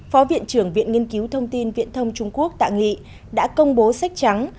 phó viện trưởng viện nghiên cứu thông tin viện thông trung quốc tạ nghị đã công bố sách trắng